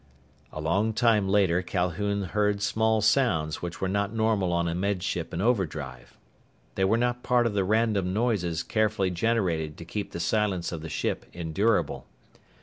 A long time later Calhoun heard small sounds which were not normal on a Med Ship in overdrive. They were not part of the random noises carefully generated to keep the silence of the ship endurable.